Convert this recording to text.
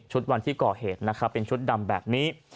ชุดวันที่เกาะเหตุนะฮะเป็นชุดดำแบบนี้